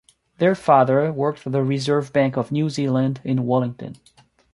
Their father worked for the Reserve Bank of New Zealand in Wellington.